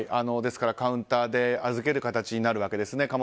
ですから、カウンターで預ける形になるわけですね。